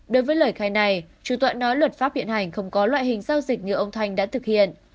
đối với lời khai này chủ tọa nói luật pháp hiện hành không có loại hình giao dịch như ông thanh đã thực hiện